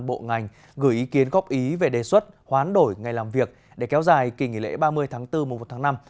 bộ ngành gửi ý kiến góp ý về đề xuất hoán đổi ngày làm việc để kéo dài kỳ nghỉ lễ ba mươi tháng bốn mùa một tháng năm